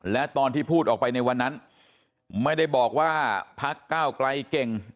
และตอนที่พูดออกไปในวันนั้นไม่ได้บอกว่าพักก้าวไกลเก่ง